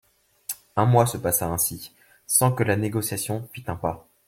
Un mois se passa ainsi sans que le négociation fît un pas.